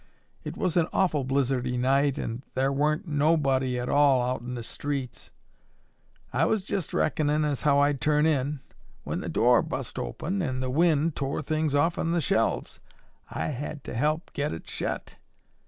It was an awful blizzardy night an' thar wa'n't nobody at all out in the streets. I was jest reckonin' as how I'd turn in, when the door bust open an' the wind tore things offen the shelves. I had to help get it shet.